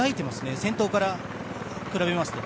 先頭から比べますと。